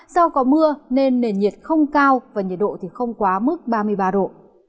do có mưa nên nền nhiệt không cao và nhiệt độ không quá mức ba mươi ba độ